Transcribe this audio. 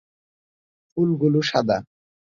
ফুলগুলো সাদা।